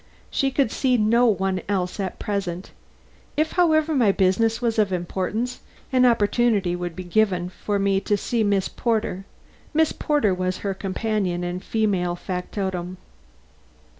She could see no one else at present. If, however, my business was of importance, an opportunity would be given me to see Miss Porter. Miss Porter was her companion and female factotum.